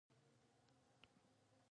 د خپلې غوړېدلې راتلونکې په ښه یې راولو